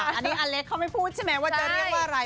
อันนี้อเล็กเขาไม่พูดใช่ไหมว่าจะเรียกว่าอะไร